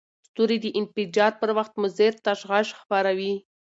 ستوري د انفجار پر وخت مضر تشعشع خپروي.